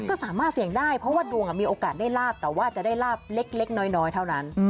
ก็สามารถเสี่ยงได้เพราะว่าดวงมีโอกาสได้ลาบแต่ว่าจะได้ลาบเล็กน้อยเท่านั้น